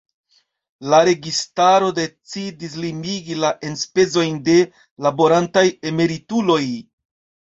La registaro decidis limigi la enspezojn de laborantaj emerituloj.